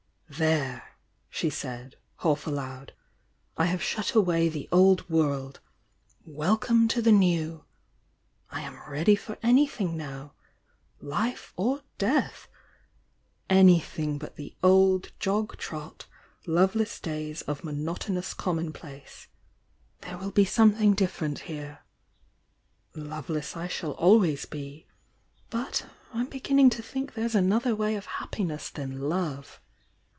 "There!" she said half aloud— "I have shut away the old world !— welcome to the new ! I'm ready for anything now— life or death!— anything but the old jog trot, loveless days of monotonous commonplace, —there will be something different here. Loveless I shall always be— but I'm beginning to think tiiere's another way of happiness than love!